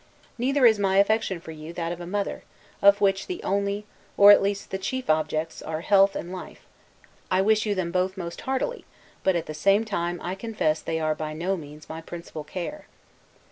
Neither is my affection for you that of a mother, of which the only, or at least the chief objects, are health and life: I wish you them both most heartily; but, at the same time, I confess they are by no means my principal care.